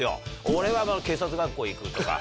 「俺は警察学校行く」とか。